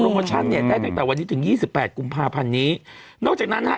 โมชั่นเนี่ยได้ตั้งแต่วันนี้ถึงยี่สิบแปดกุมภาพันธ์นี้นอกจากนั้นฮะ